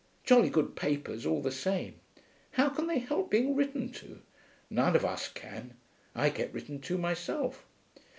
Jolly good papers, all the same. How can they help being written to? None of us can. I get written to myself....